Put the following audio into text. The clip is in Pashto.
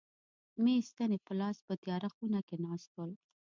مې ستنې په لاس په تیاره خونه کې ناست ول.